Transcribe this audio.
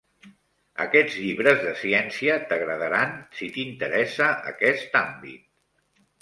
Aquests llibres de ciència t'agradaran si t'interessa aquest àmbit.